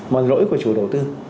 mà lỗi của chủ đầu tư